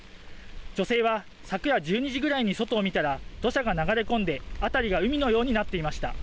女性は昨夜１２時ぐらいに外を見たら土砂が流れ込んで、辺りが海のようになっていました。